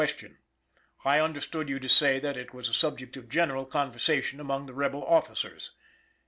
I understood you to say that it was a subject of general conversation among the rebel officers?